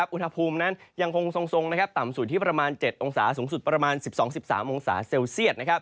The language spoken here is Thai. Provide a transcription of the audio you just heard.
อุณหภูมินั้นยังคงทรงต่ำสุดที่ประมาณ๗องศาสูงสุดประมาณ๑๒๑๓องศาเซลเซียต